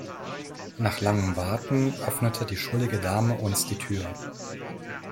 Nach langem Warten öffnete die schrullige Dame uns die Tür.